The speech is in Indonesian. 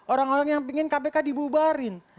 orang orang yang ingin kpk dibubarin